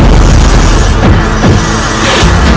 aku akan mencari penyelesaianmu